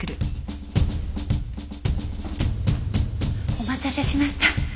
お待たせしました。